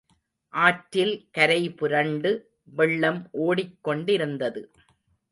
ஆற்றில் கரைபுரண்டு வெள்ளம் ஓடிக்கொண்டிருந்தது.